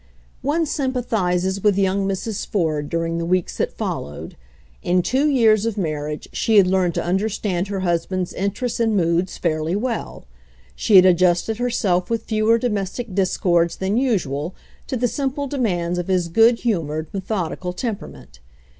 One sympathizes with young Mrs. Ford dur ing the weeks that followed. In two years of marriage she had learned to understand her hus band's interests and moods fairly well; she had adjusted herself with fewer domestic discords than usual to the simple demands of his good humored, methodical temperament.